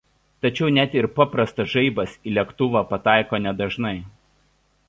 Tačiau net ir paprastas žaibas į lėktuvą pataiko nedažnai.